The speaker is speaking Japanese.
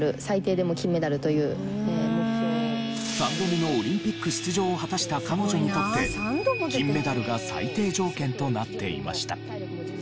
３度目のオリンピック出場を果たした彼女にとって金メダルが最低条件となっていました。